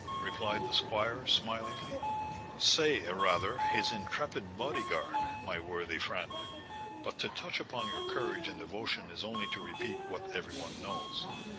replied the squire, smilingly. "Say, rather, his intrepid body guard, my worthy friend. But to touch upon your courage and devotion is only to repeat what every one knows.